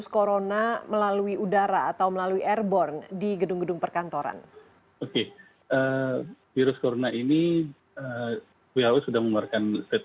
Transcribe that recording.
kemudian lingkungannya tertutup